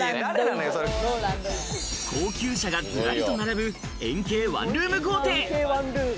高級車がずらりと並ぶ円形ワンルーム豪邸。